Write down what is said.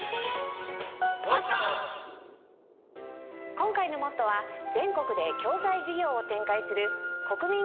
今回の『ＭＯＴＴＯ！！』は全国で共済事業を展開するこくみん